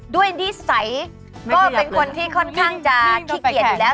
นิสัยก็เป็นคนที่ค่อนข้างจะขี้เกียจอยู่แล้ว